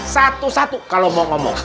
satu satu kalau mau ngomong